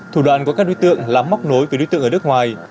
thủ đoàn của các đối tượng làm móc nối với đối tượng ở đất ngoài